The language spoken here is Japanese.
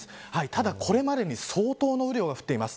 ただ、これまでに相当の雨量が降っています。